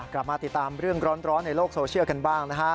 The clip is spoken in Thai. กลับมาติดตามเรื่องร้อนในโลกโซเชียลกันบ้างนะฮะ